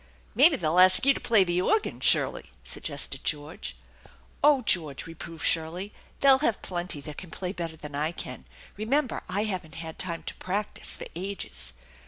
" Maybe they'll ask you to play the organ, Shirley," sug gested George. "Oh George!" reproved Shirley. "They'll have plenty that can play better than I can. Eemember I haven't had time to practise for ages."